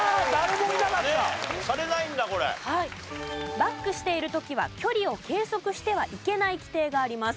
バックしている時は距離を計測してはいけない規定があります。